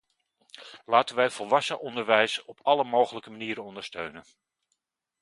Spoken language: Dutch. Laten wij volwassenenonderwijs op alle mogelijke manieren ondersteunen.